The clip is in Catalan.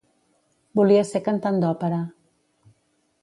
Volia ser cantant d'òpera.